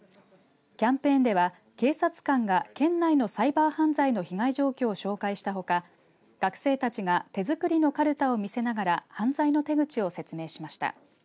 キャンペーンでは警察官が県内のサイバー犯罪の被害状況を紹介したほか学生たちが手作りのかるたを見せながら犯罪の手口を説明しました。